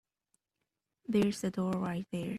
There's the door right there.